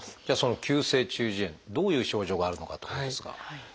じゃあその急性中耳炎どういう症状があるのかってことですが。